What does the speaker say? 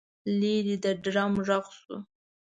لرې د ډرم غږ شو.